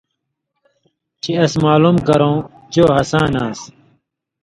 چے اس معلوم کرؤں چو ہسان آن٘س۔